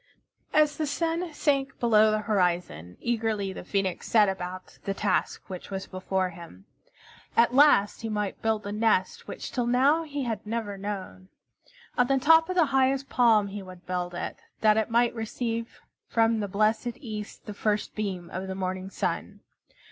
As the sun sank below the horizon, eagerly the Phoenix set about the task which was before him. At last he might build the nest which till now he had never known. On the top of the highest palm he would build it, that it might receive from the blessed East the first beam of the morning sun.